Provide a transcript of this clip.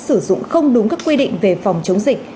sử dụng không đúng các quy định về phòng chống dịch